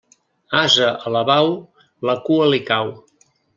Ase alabau, la cua li cau.